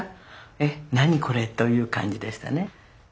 えっ何これという感じでしたね。